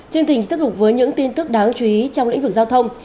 chương trình tiếp tục với những tin tức đáng chú ý trong lĩnh vực giao thông